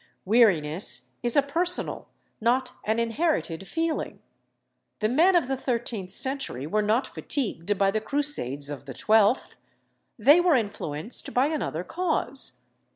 Weariness is a personal, not an inherited feeling. The men of the thirteenth century were not fatigued by the Crusades of the twelfth. They were influenced by another cause.